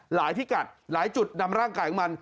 พิกัดหลายจุดนำร่างกายของมัน